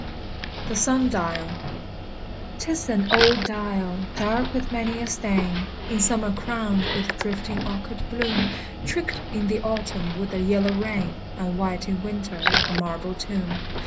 THE SUN DIAL. 'T is an old dial, dark with many a stain; In summer crowned with drifting orchard bloom, Tricked in the autumn with the yellow rain, And white in winter like a marble tomb.